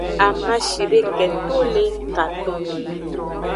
Amashideke to le katonme.